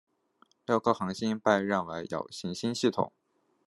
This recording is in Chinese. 六颗恒星被认为有行星系统。